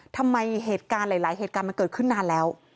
เหตุการณ์หลายเหตุการณ์มันเกิดขึ้นนานแล้ว